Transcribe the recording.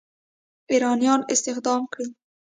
ایرانیان استخدام کړي.